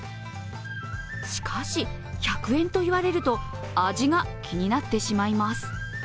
しかし、１００円と言われると味が気になってしまいます。